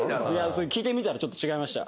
聴いてみたらちょっと違いました。